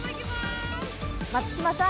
松嶋さん